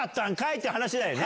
って話だよね。